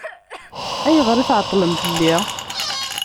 Ayɣer i tɛeṭṭlem fell-i?